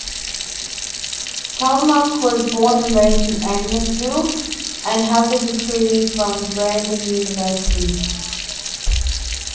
Kalynuk was born and raised in Angusville, and has a degree from Brandon University.